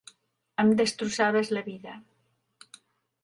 Em destrossaves la vida.